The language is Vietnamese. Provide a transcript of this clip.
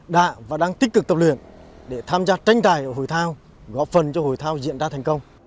đã và đang tích cực tập luyện để tham gia tranh tài ở hội thao góp phần cho hội thao diễn ra thành công